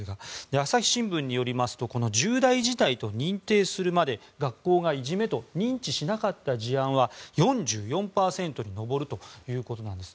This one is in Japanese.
朝日新聞によりますとこの重大事態と認定するまで学校がいじめと認知しなかった事案は４４％に上るということなんです。